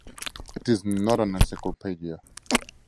It is not an encyclopedia.